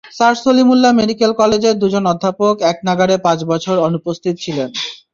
Sir Salimullah medical কলেজের দুজন অধ্যাপক একনাগাড়ে পাঁচ বছর অনুপস্থিত ছিলেন।